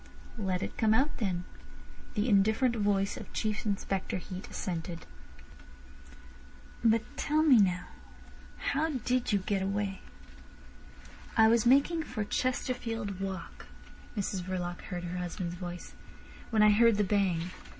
"Let it come out, then," the indifferent voice of Chief Inspector Heat assented. "But tell me now how did you get away." "I was making for Chesterfield Walk," Mrs Verloc heard her husband's voice, "when I heard the bang.